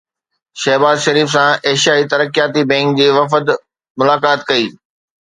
شهباز شريف سان ايشيائي ترقياتي بئنڪ جي وفد ملاقات ڪئي